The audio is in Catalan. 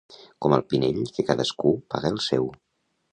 Com al Pinell, que cadascú paga el seu.